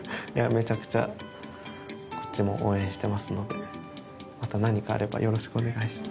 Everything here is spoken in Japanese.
めちゃくちゃこっちもまた何かあればよろしくお願いします